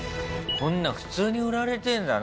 こんな普通に売られてるんだ。